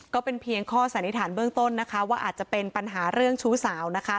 ก็เป็นเพียงข้อสันนิษฐานเบื้องต้นนะคะว่าอาจจะเป็นปัญหาเรื่องชู้สาวนะคะ